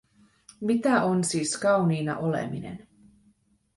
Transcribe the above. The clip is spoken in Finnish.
Mitä on siis kauniina oleminen?